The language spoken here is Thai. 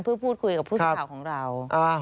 เพื่อพูดคุยกับผู้สื่อข่าวของเรา